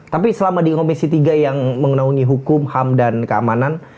tapi selama di komisi tiga yang mengenaungi hukum ham dan keamanan